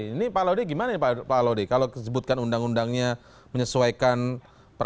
ini pak laude gimana ya pak laude kalau disebutkan undang undangnya menyesuaikan peraturan